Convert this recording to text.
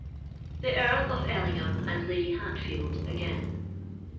THE EARL OF ELLINGHAM AND LADY HATFIELD AGAIN.